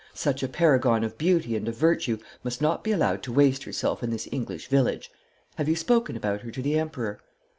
'Such a paragon of beauty and of virtue must not be allowed to waste herself in this English village. Have you spoken about her to the Emperor?'